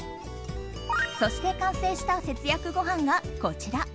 そして完成した節約ごはんがこちら。